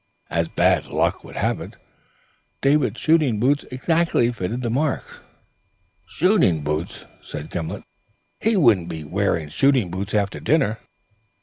As bad luck would have it, David's shooting boots exactly fitted the marks." "His shooting boots?" said Gimblet. "He wouldn't be wearing shooting boots after dinner."